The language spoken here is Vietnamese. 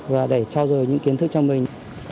và để trao dồi những kiến thức cho mình